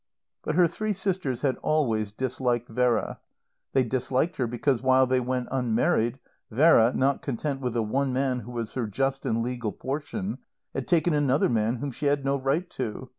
But her three sisters had always disliked Vera. They disliked her because, while they went unmarried, Vera, not content with the one man who was her just and legal portion, had taken another man whom she had no right to.